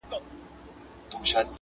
له نقابو یې پرهېزګاره درخانۍ ایستله٫